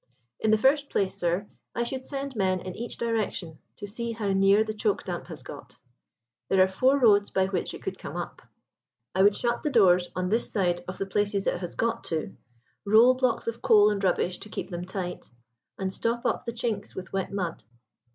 "In the first place, sir, I should send men in each direction to see how near the choke damp has got. There are four roads by which it could come up. I would shut the doors on this side of the places it has got to, roll blocks of coal and rubbish to keep them tight, and stop up the chinks with wet mud.